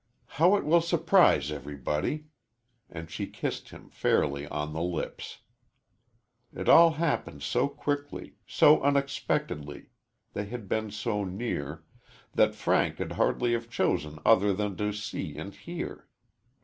"How it will surprise everybody," and she kissed him fairly on the lips. It had all happened so quickly so unexpectedly they had been so near that Frank could hardly have chosen other than to see and hear.